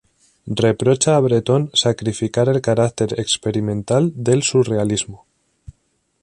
Reprocha a Breton sacrificar el carácter experimental del surrealismo.